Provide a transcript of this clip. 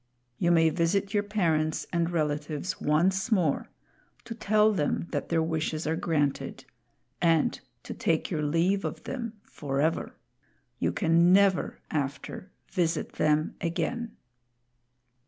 You may visit your parents and relatives once more, to tell them that their wishes are granted and to take your leave of them forever. You can never, after, visit them again."